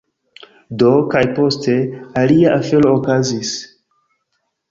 Do, kaj poste, alia afero okazis: